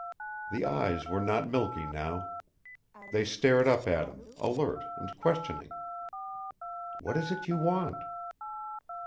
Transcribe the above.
The eyes were not milky now. They stared up at him, alert and questioning. _What is it you want?